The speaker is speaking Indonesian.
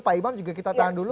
pak imam juga kita tahan dulu